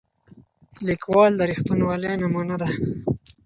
لیکوال د رښتینولۍ نمونه ده.